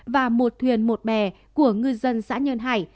và một thuyền một bè của ngư dân xã nhơn hải